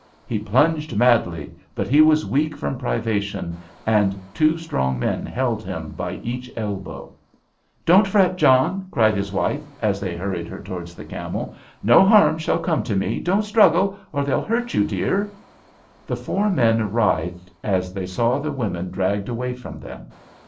He plunged madly, but he was weak from privation, and two strong men held him by each elbow. [Illustration: Don't fret, John! cried his wife p217] "Don't fret, John!" cried his wife, as they hurried her towards the camel. "No harm shall come to me. Don't struggle, or they'll hurt you, dear." The four men writhed as they saw the women dragged away from them.